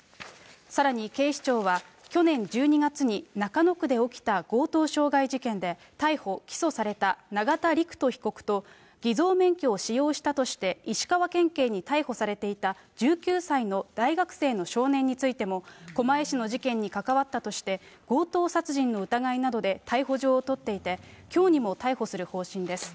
さらに警視庁は、去年１２月に、中野区で起きた強盗傷害事件で、逮捕・起訴された永田陸人被告と、偽造免許を使用したとして、石川県警に逮捕されていた１９歳の大学生の少年についても、狛江市の事件に関わったとして、強盗殺人の疑いなどで逮捕状を取っていて、きょうにも逮捕する方針です。